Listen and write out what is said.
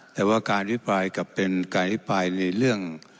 แต่ว่าการวิดไปจะเป็นการวิดไปในเรื่อง